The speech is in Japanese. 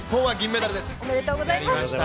おめでとうございます。